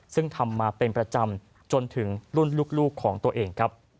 ซึ่งทำมาเป็นประจำจนถึงรุ่นลูกของตัวเองครับ